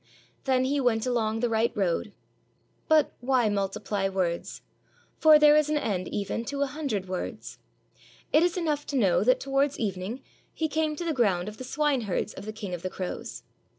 Then he went along the right road. But why multiply words? — for there is an end even to a hundred words; it is enough to know that towards evening he came to the ground of the swine herds of the King of the Crows.